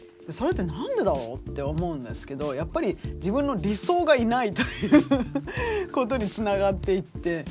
それってなんでだろうって思うんですけどやっぱり自分の理想がいないということにつながっていって。